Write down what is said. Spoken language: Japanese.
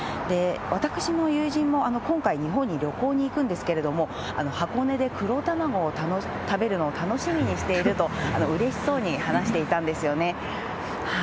私の友人も今回、日本に旅行に行くんですけれども、箱根で黒玉子を食べるのを楽しみにしていると、うれしそうに話していたんですよね。